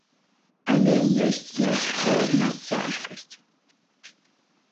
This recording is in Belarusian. Але ёсць яшчэ адна цяжкасць.